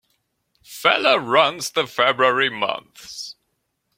Feller runs the February months.